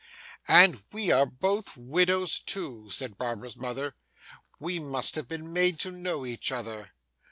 'And we are both widows too!' said Barbara's mother. 'We must have been made to know each other.